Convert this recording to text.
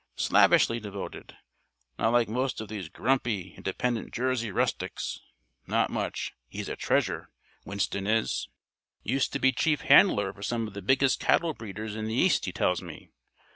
Slavishly devoted. Not like most of these grumpy, independent Jersey rustics. Not much. He's a treasure, Winston is. Used to be chief handler for some of the biggest cattle breeders in the East he tells me.